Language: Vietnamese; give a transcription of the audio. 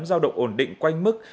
giao động ổn định quanh mức